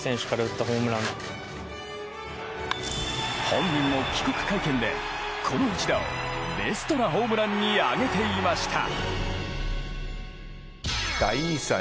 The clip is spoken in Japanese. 本人も帰国会見で、この一打をベストなホームランに挙げていました。